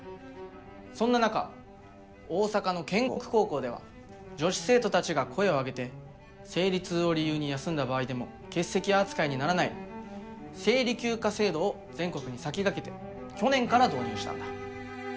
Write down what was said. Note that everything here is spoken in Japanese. そんな中大阪の建国高校では女子生徒たちが声を上げて生理痛を理由に休んだ場合でも欠席扱いにならない生理休暇制度を全国に先駆けて去年から導入したんだ。